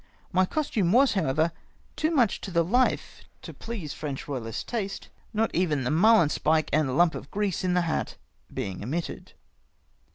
My costume was, however, too muc]i to the hfe to please French royalist taste, not even the marhnspike and the lump of grease in the hat being omitted.